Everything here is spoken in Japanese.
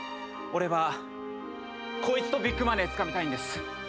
俺はこいつとビッグマネーつかみたいんです。